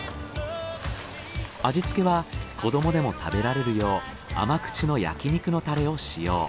味付けは子どもでも食べられるよう甘口の焼肉のタレを使用。